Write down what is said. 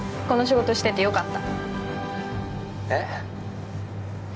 この仕事しててよかったえっ？